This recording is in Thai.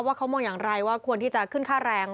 เขามองอย่างไรว่าควรที่จะขึ้นค่าแรง